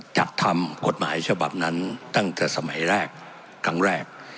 จัดทำกฎหมายฉบับนั้นตั้งแต่สมัยแรกครั้งแรก